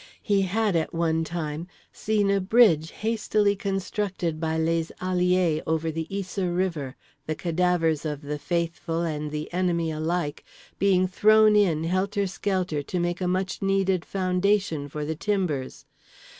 He had, at one time, seen a bridge hastily constructed by les alliés over the Yser River, the cadavers of the faithful and the enemy alike being thrown in helter skelter to make a much needed foundation for the timbers.